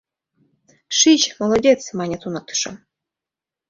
— Шич, молодец, — мане туныктышо.